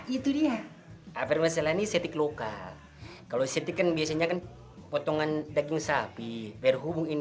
itu dia permasalahan setik lokal kalau setik biasanya kan potongan daging sapi berhubung